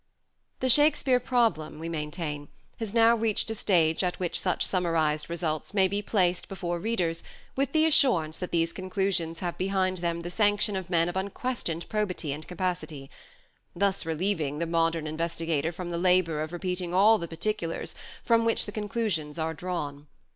The " Shakespeare Problem," we maintain, has now reached a stage at which such summarized results may be placed before readers with the assurance that these conclusions have behind them the sanction of men of unquestioned probity and capacity : thus relieving the modern investigator from the labour of repeating all the particulars from which the 28 " SHAKESPEARE " IDENTIFIED Halliwell Phillipps. conclusions are drawn.